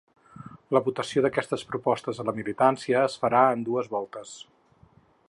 La votació d’aquestes propostes a la militància es farà en dues voltes.